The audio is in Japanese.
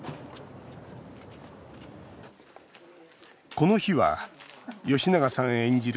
この日は、吉永さん演じる